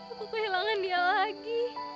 aku kehilangan dia lagi